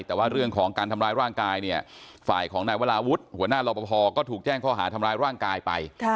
แต่ว่าเรื่องของการทำร้ายร่างกายเนี่ยฝ่ายของนายวราวุฒิหัวหน้ารอปภก็ถูกแจ้งข้อหาทำร้ายร่างกายไป